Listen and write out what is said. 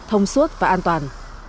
thông suốt và an toàn